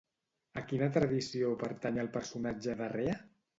A quina tradició pertany el personatge de Rea?